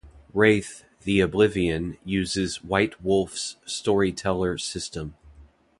"Wraith: The Oblivion" uses White Wolf's Storyteller System.